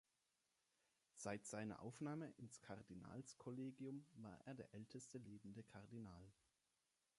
Seit seiner Aufnahme ins Kardinalskollegium war er der älteste lebende Kardinal.